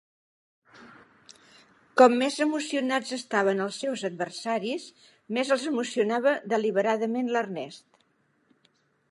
Com més emocionats estaven els seus adversaris, més els emocionava deliberadament l'Ernest.